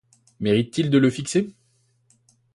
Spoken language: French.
Mérite-t-il de le fixer ?